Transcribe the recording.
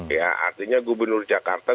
ya artinya gubernur jakarta